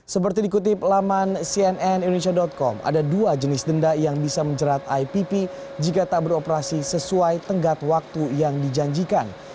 seperti dikutip laman cnnindonesia com ada dua jenis denda yang bisa menjerat ipp jika tak beroperasi sesuai tenggat waktu yang dijanjikan